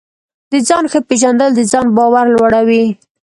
د ځان ښه پېژندل د ځان باور لوړوي.